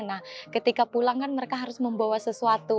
nah ketika pulang kan mereka harus membawa sesuatu